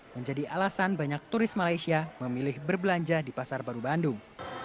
menjadi alasan banyak turis malaysia memilih berbelanja di pasar baru bandung